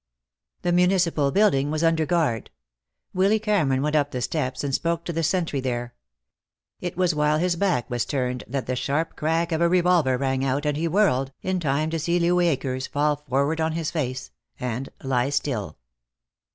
The Municipal Building was under guard. Willy Cameron went up the steps and spoke to the sentry there. It was while his back was turned that the sharp crack of a revolver rang out, and he whirled, in time to see Louis Akers fall forward on his face and lie still.